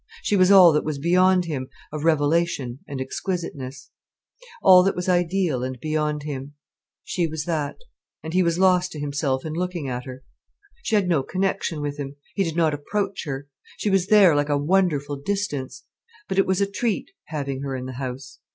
She was all that was beyond him, of revelation and exquisiteness. All that was ideal and beyond him, she was that—and he was lost to himself in looking at her. She had no connection with him. He did not approach her. She was there like a wonderful distance. But it was a treat, having her in the house.